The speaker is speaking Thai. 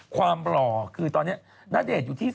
ความหล่อคือตอนนี้นเดชน์อยู่ที่๓๕๐๐๐